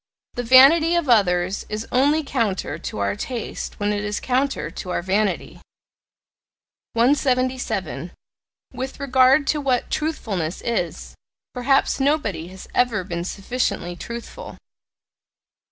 The vanity of others is only counter to our taste when it is counter to our vanity. 177. With regard to what "truthfulness" is, perhaps nobody has ever been sufficiently truthful.